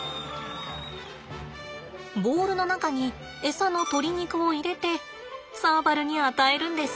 ボールの中に餌の鶏肉を入れてサーバルに与えるんです。